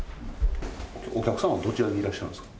お客さんはどちらにいらっしゃるんですか？